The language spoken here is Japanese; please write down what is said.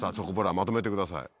「まとめてください」